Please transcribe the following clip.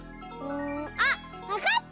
あっわかった！